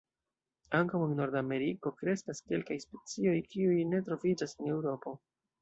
Ankaŭ en Nord-Ameriko kreskas kelkaj specioj kiuj ne troviĝas en Eŭropo.